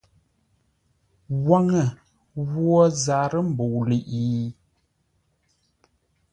Waŋə ghwo zarə́ mbə̂u ləiʼi?